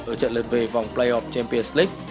ở trận lần về vòng playoff champions league